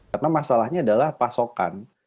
karena masalahnya adalah pasokan